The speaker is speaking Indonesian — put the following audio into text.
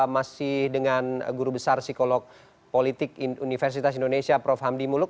masih dengan guru besar psikolog politik universitas indonesia prof hamdi muluk